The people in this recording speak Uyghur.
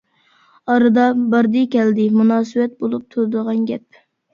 ئارىدا باردى-كەلدى مۇناسىۋەت بولۇپ تۇرىدىغان گەپ.